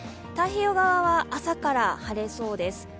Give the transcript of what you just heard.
太平洋側は朝から晴れそうです。